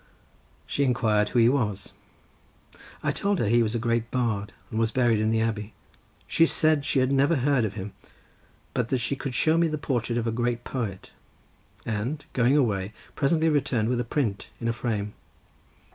She inquired who he was. I told her he was a great bard, and was buried in the abbey. She said she had never heard of him, but that she could show me the portrait of a great poet, and going away, presently returned with a print in a frame.